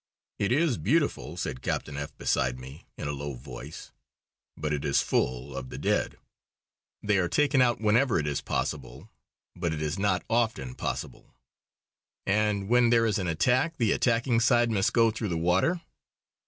"It is beautiful," said Captain F , beside me, in a low voice. "But it is full of the dead. They are taken out whenever it is possible; but it is not often possible." "And when there is an attack the attacking side must go through the water?"